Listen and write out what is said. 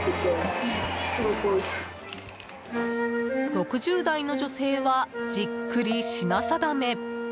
６０代の女性はじっくり品定め。